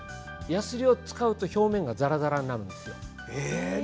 やすりを使うと表面がざらざらになるんです。